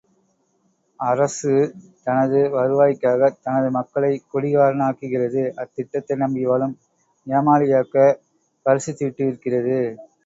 அர்சு தனது வருவாய்க்காகத் தனது மக்களைக் குடிகாரனாக்குகிறது அத்திட்டத்தை நம்பி வாழும் ஏமாளியாக்கப் பரிசுச் சீட்டு விற்கிறது.